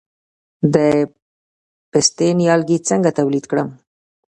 د پستې نیالګي څنګه تولید کړم؟